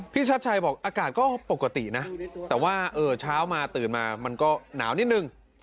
ชัดชัยบอกอากาศก็ปกตินะแต่ว่าเช้ามาตื่นมามันก็หนาวนิดนึง